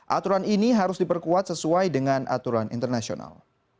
aturan ini harus diperkuat sesuai dengan aturan internasional